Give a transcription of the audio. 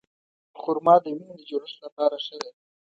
خرما د وینې د جوړښت لپاره ښه ده.